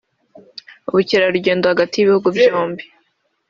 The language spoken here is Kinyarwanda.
ubukerarugendo hagati y’ibihugu byombi